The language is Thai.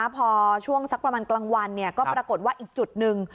พอช่วงสักประมาณกลางวันก็ปรากฏว่าอีกจุดหนึ่ง